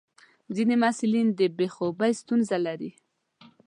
ځینې محصلین د بې خوبي ستونزه لري.